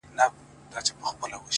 زما ياران اوس په دې شكل سـوله’